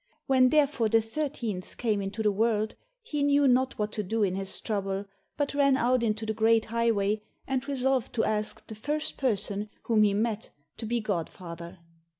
When therefore the thirteenth came into the world, he knew not what to do in his trouble, but ran out into the great highway, and resolved to ask the first person whom he met to be godfather.